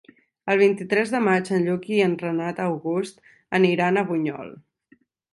El vint-i-tres de maig en Lluc i en Renat August aniran a Bunyol.